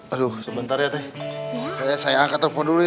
aduh sebentar ya teh saya angkat telepon dulu ya